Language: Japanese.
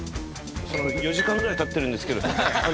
４時間ぐらい立ってるんですけど。